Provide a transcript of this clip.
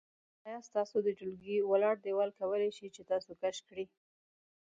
آیا ستاسو د ټولګي ولاړ دیوال کولی شي چې تاسو کش کړي؟